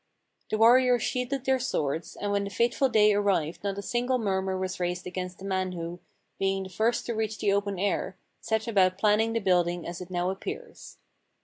The warriors sheathed their swords, and when the fateful day arrived not a single murmur was raised against the man who, being the first to reach the open air, set about planning the building as it now appears.